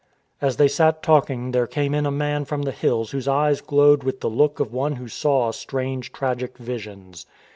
As they sat talking there came in a man from the hills whose eyes glowed with the look of one who saw strange tragic visions.